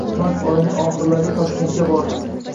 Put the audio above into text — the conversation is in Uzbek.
mart oyining oxirlarida Toshkentga bordim.